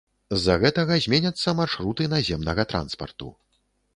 З-за гэтага зменяцца маршруты наземнага транспарту.